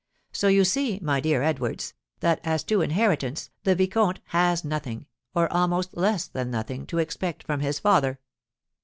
So, you see, my dear Edwards, that, as to inheritance, the vicomte has nothing, or almost less than nothing, to expect from his father."